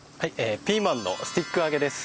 ピーマンのスティック揚げです。